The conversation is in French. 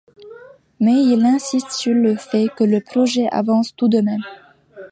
Mais il insiste sur le fait que le projet avance tout de même.